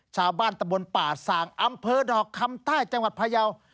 ชาวบ้านตะบนป่าสางอำเภอดอกคำใต้จังหวัดพยาว